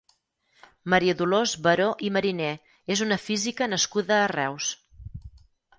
Maria Dolors Baró i Mariné és una física nascuda a Reus.